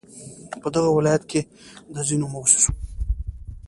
په دغه ولايت كې د ځينو مؤسسو ترڅنگ